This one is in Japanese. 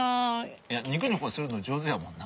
いやニコニコするの上手やもんな。